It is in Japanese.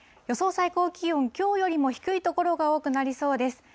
予想最高気温、きょうよりも低い所が多くなりそうです。